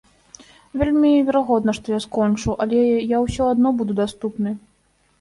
Вельмі верагодна, што я скончу, але я ўсё адно буду даступны.